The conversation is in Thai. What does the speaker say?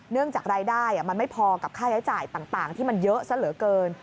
จากรายได้มันไม่พอกับค่าใช้จ่ายต่างที่มันเยอะซะเหลือเกิน